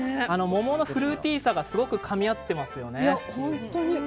桃のフルーティーさがすごくかみ合っていますよね。